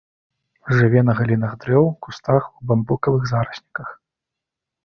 Жыве на галінах дрэў, кустах, у бамбукавых зарасніках.